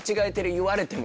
言われても。